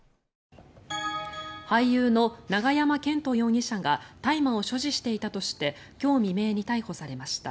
俳優の永山絢斗容疑者が大麻を所持していたとして今日未明に逮捕されました。